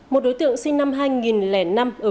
một đối tượng sinh năm hai nghìn năm ở huyện tây đồ